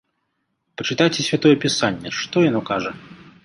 Пачытайце святое пісанне, што яно кажа?